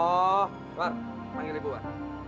oh mawar panggil ibu mawar